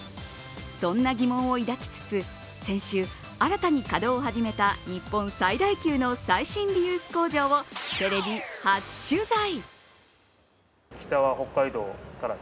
そんな疑問を抱きつつ先週、新たに稼働を始めた日本最大級の最新リユース工場をテレビ初取材。